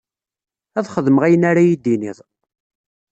Ad xedmeɣ ayen ara iyi-d-tiniḍ.